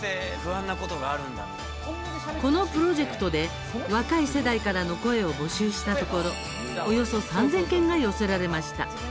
このプロジェクトで若い世代からの声を募集したところ、およそ３０００件が寄せられました。